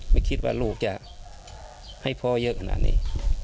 ไม่คิดว่าลูกจะให้พ่อเยอะขนาดนี้